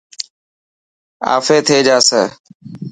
آفي ٿي جاسي.